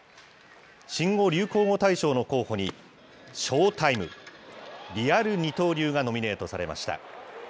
新語・流行語大賞の候補に、ショータイム、リアル二刀流がノミネートされました。